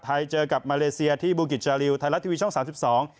ไทยเจอกับมาเลเซียที่บูกิจจาลิวไทยลัททีวีช่อง๓๒